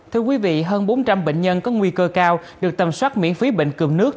thưa quý vị hơn bốn trăm linh bệnh nhân có nguy cơ cao được tầm soát miễn phí bệnh cường nước